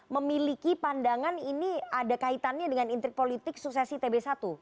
memiliki pandangan ini ada kaitannya dengan intrik politik suksesi tb satu